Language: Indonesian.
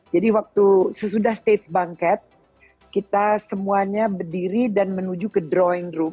jadi sesudah states banket kita semuanya berdiri dan menuju ke drawing room